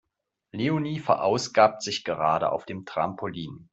Leonie verausgabt sich gerade auf dem Trampolin.